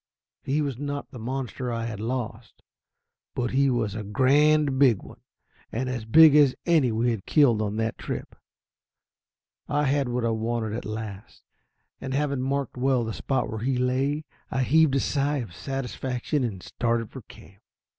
He was not the monster I had lost, but he was a grand big one; as big as any we had killed on that trip. I had what I wanted at last, and having marked well the spot where he lay, I heaved a sigh of satisfaction and started for camp.